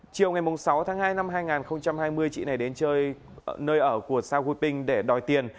chiều ngày sáu tháng hai năm hai nghìn hai mươi chị này đến chơi nơi ở của sao huy pinh để đòi tiền